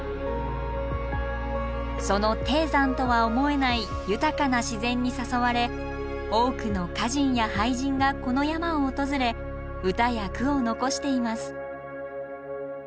その低山とは思えない豊かな自然に誘われ多くの歌人や俳人がこの山を訪れ歌や句を残しています。